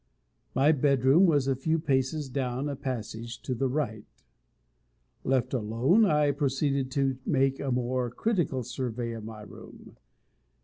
My bedroom was a few paces down a passage to the right. Left alone, I proceeded to make a more critical survey of my room.